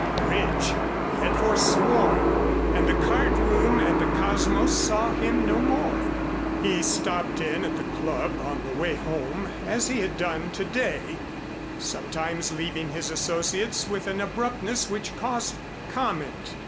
Bridge he had foresworn and the card room at the Cosmos saw him no more. He stopped in at the club on the way home as he had done to day, sometimes leaving his associates with an abruptness which caused comment.